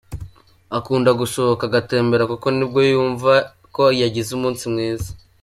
Akunda gusohoka agatembera kuko nibwo yumva ko yagize umunsi mwiza,.